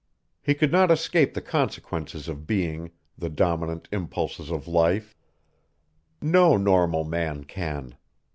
He could not escape the consequences of being, the dominant impulses of life. No normal man can.